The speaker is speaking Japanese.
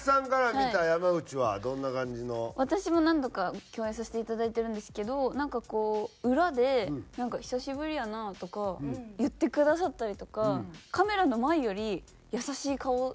私も何度か共演させていただいてるんですけどなんかこう裏で「久しぶりやな」とか言ってくださったりとかカメラの前より優しい顔してらっしゃって。